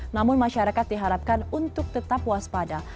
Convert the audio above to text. namun masyarakat diharapkan untuk tetap waspada